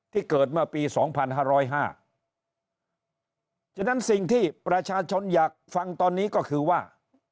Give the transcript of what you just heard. เกิดเมื่อปี๒๕๐๕ฉะนั้นสิ่งที่ประชาชนอยากฟังตอนนี้ก็คือว่า